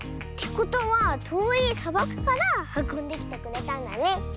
ことはとおいさばくからはこんできてくれたんだね。